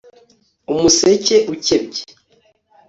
umuseke ukebye